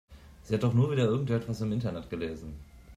Sie hat doch nur wieder irgendwas im Internet gelesen.